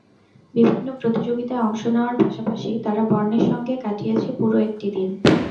বিভিন্ন প্রতিযোগিতায় অংশ নেওয়ার পাশাপাশি তারা বর্ণের সঙ্গে কাটিয়েছে পুরো একটি দিন।